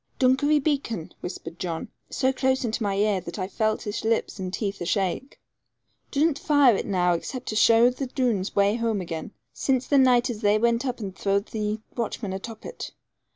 'Dunkery Beacon,' whispered John, so close into my ear, that I felt his lips and teeth ashake; 'dursn't fire it now except to show the Doones way home again, since the naight as they went up and throwed the watchmen atop of it.